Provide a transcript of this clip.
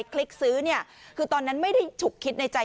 คือตอนนั้นไม่ได้ถูกคิดในใจ